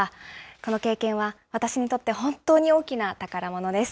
この経験は私にとって本当に大きな宝物です。